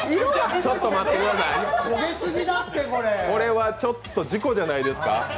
これはちょっと事故じゃないですか。